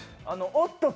おっとっ